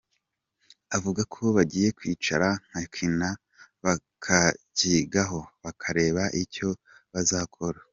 Avuga ko bagiye kwicara nka Kina bakacyigaho bakareba icyo bazakora.